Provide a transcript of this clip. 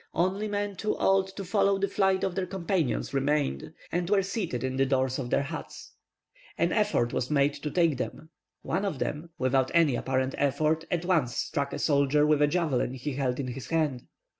Only men too old to follow the flight of their companions remained, and were seated in the doors of their huts. An effort was made to take them. One of them, without any apparent effort, at once struck a soldier with a javelin he held in his hand.